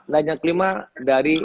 nah yang kelima dari